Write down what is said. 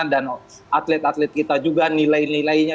dan atlet atlet kita juga nilai nilainya